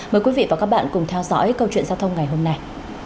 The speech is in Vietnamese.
mời quý vị và các bạn cùng theo dõi câu chuyện giao thông ngày hôm nay